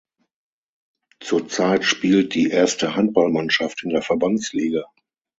Zurzeit spielt die erste Handballmannschaft in der Verbandsliga.